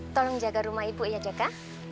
tolong jaga rumah ibu ya jaga